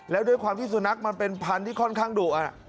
แล้วด้วยความที่สุนัขมันเป็นพันธุ์ที่ค่อนข้างดุ